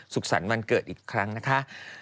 สุขสรรค์วันเกิดอีกครั้งนะคะ